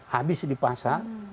habis di pasar